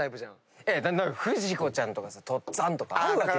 不二子ちゃんとかさとっつぁんとかあるわけじゃん。